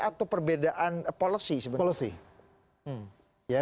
atau perbedaan policy sebenarnya